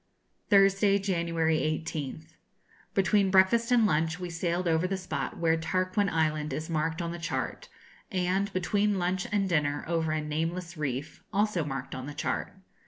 Thursday, January 18th. Between breakfast and lunch we sailed over the spot where Tarquin Island is marked on the chart, and, between lunch and dinner, over a nameless reef, also marked on the chart.